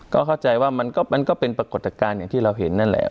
ก็เข้าใจว่ามันก็เป็นปรากฏการณ์อย่างที่เราเห็นนั่นแหละ